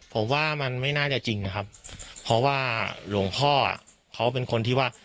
ผมว่ามันไม่น่าจะจริงนะครับเพราะว่าหลวงพ่อเขาเป็นคนที่ว่า